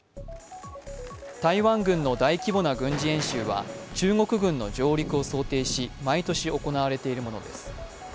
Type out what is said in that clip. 台湾軍の大規模な軍事演習は中国軍の上陸を想定し毎年、行われているものです。